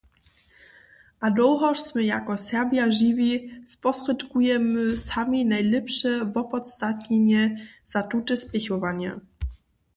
A dołhož smy jako Serbja žiwi, sposrědkujemy sami najlěpše wopodstatnjenje za tute spěchowanje.